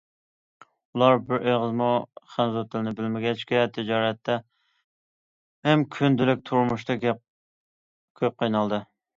ئۇلار بىر ئېغىزمۇ خەنزۇ تىلىنى بىلمىگەچكە، تىجارەتتە ھەم كۈندىلىك تۇرمۇشتا كۆپ قىينالدى.